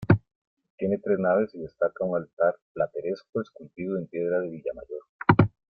Tiene tres naves y destaca un altar plateresco esculpido en piedra de Villamayor.